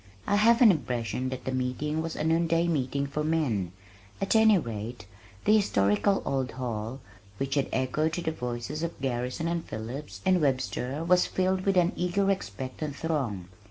I have an impression that the meeting was a noon day meeting for men, at any rate the historical old hall, which had echoed to the voices of Garrison and Phillips and Webster was filled with an eager expectant throng.